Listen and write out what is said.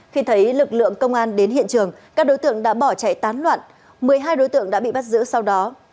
khi thấy lực lượng công an đến hiện trường các đối tượng đã bỏ chạy tán loạn một mươi hai đối tượng đã bị bắt giữ sau đó